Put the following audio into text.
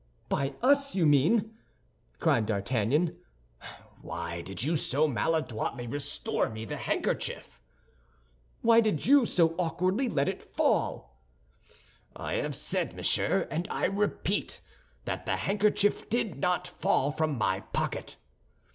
"By us, you mean!" cried D'Artagnan. "Why did you so maladroitly restore me the handkerchief?" "Why did you so awkwardly let it fall?" "I have said, monsieur, and I repeat, that the handkerchief did not fall from my pocket."